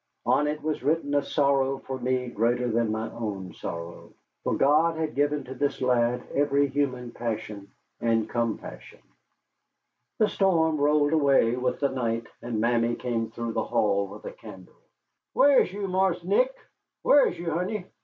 On it was written a sorrow for me greater than my own sorrow. For God had given to this lad every human passion and compassion. The storm rolled away with the night, and Mammy came through the hall with a candle. "Whah is you, Marse Nick? Whah is you, honey?